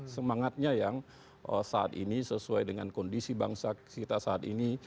semangatnya yang saat ini sesuai dengan kondisi bangsa kita saat ini